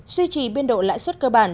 suy trì biên độ lãi suất cơ bản